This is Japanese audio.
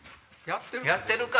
やってるか！